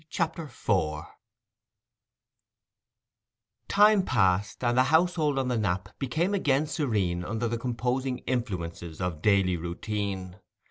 CHAPTER IV Time passed, and the household on the Knap became again serene under the composing influences of daily routine.